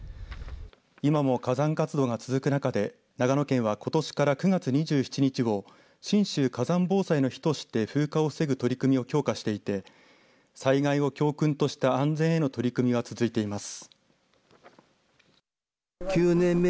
今も火山活動が続く中で長野県はことしから９月２７日を信州火山防災の日として風化を防ぐ取り組みを強化していて災害を教訓とした安全への取り組みが続いています。